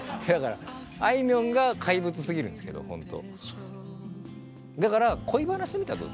あいみょんが怪物すぎるんですけどほんと。